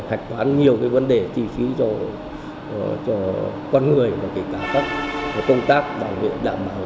hạch toán nhiều vấn đề chi phí cho con người và kể cả các công tác bảo vệ đảm bảo